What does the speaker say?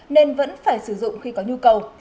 nên vẫn phải sử dụng khi có nhu cầu